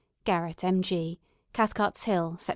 "Garrett, M.G. "Cathcart's Hill, Sept.